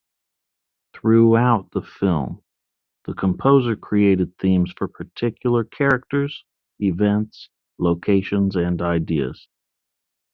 Throughout the film, the composer created themes for particular characters, events, locations, and ideas.